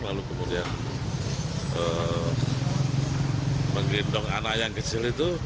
lalu kemudian menggendong anak yang kecil itu